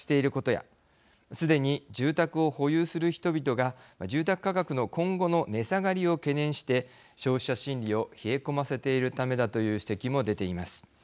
やすでに住宅を保有する人々が住宅価格の今後の値下がりを懸念して消費者心理を冷え込ませているためだという指摘も出ています。